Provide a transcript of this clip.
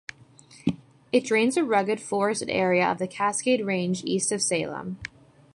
It drains a rugged, forested area of the Cascade Range east of Salem.